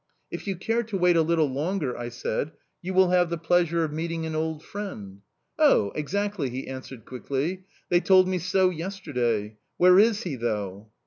"If you care to wait a little longer," I said, "you will have the pleasure of meeting an old friend." "Oh, exactly!" he answered quickly. "They told me so yesterday. Where is he, though?"